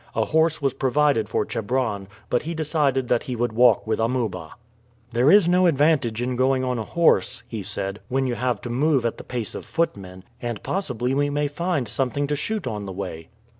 A horse was provided for Chebron, but he decided that he would walk with Amuba. "There is no advantage in going on a horse," he said, "when you have to move at the pace of footmen, and possibly we may find something to shoot on the way."